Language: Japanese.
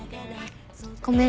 ごめん。